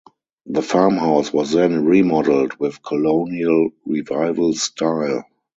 The farmhouse was then remodeled with Colonial Revival style.